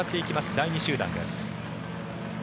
第２集団です。